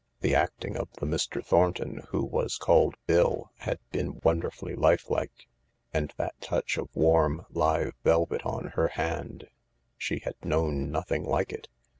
The acting of the Mr. Thornton who was called Bill had been wonderfully lifelike. And that touch of warm, live velvet on her hand : she had known nothing like it.